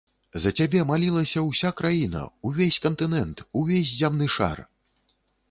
За цябе малілася ўся краіна, увесь кантынэнт, увесь зямны шар!